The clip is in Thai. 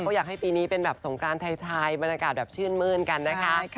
ก็อยากให้ปีนี้เป็นแบบสงกรานไทยบรรยากาศแบบชื่นมื้นกันนะคะ